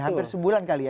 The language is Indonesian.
hampir sebulan kali ya